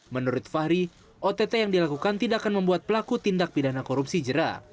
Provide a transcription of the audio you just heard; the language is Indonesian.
menurut fahri ott yang dilakukan tidak akan membuat pelaku tindak pidana korupsi jera